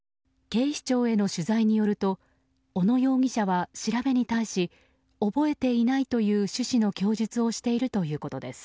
警視庁への取材によると小野容疑者は調べに対し覚えていないという趣旨の供述をしているということです。